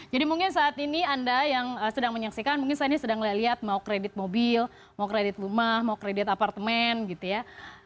jadi mungkin saat ini anda yang sedang menyaksikan mungkin saat ini sedang melihat mau kredit mobil mau kredit rumah mau kredit apartemen gitu ya